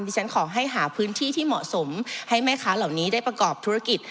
ฉันขอให้หาพื้นที่ที่เหมาะสมให้แม่ค้าเหล่านี้ได้ประกอบธุรกิจ